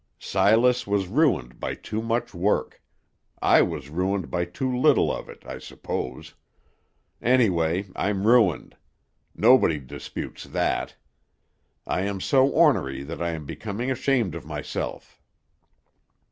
Silas was ruined by too much work; I was ruined by too little of it, I suppose. Anyway, I'm ruined; nobody disputes that. I am so ornery that I am becoming ashamed of myself."